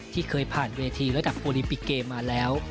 ที่เคยผ่านเวทีระดับโอลิมปิกเกมมาแล้ว